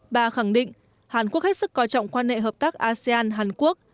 bà khẳng định hàn quốc hết sức coi trọng quan hệ hợp tác asean hàn quốc